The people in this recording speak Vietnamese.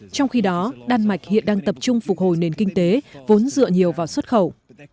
trong khi đó đan mạch hiện đang tập trung phục hồi nền kinh tế vốn dựa nhiều vào xuất khẩu